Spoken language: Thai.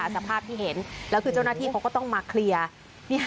สภาพที่เห็นแล้วคือเจ้าหน้าที่เขาก็ต้องมาเคลียร์